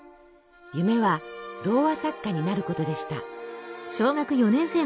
夢は童話作家になることでした。